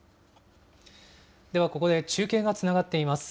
では、ここで中継がつながっています。